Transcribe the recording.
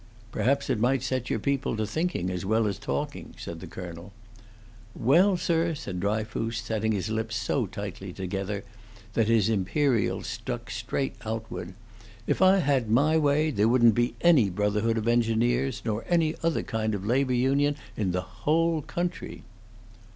"Perhaps it might set your people to thinking as well as talking," said the colonel. "Well, sir," said Dryfoos, setting his lips so tightly together that his imperial stuck straight outward, "if I had my way, there wouldn't be any Brotherhood of Engineers, nor any other kind of labor union in the whole country."